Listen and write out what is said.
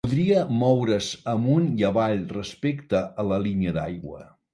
Podria moure's amunt i avall respecte a la línia d'aigua.